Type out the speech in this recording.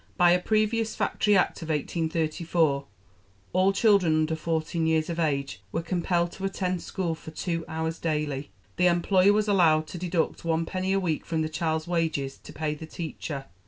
By a previous Factory Act of 1834 all children under fourteen years of age were compelled to attend school for two hours daily. The employer was allowed to deduct one penny a week from the child's wages to pay the teacher.